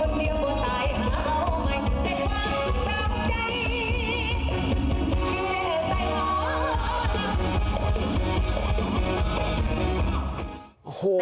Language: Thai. แฟนคนเดียวก็ตายหาวไม่ได้ความสุขลังใจ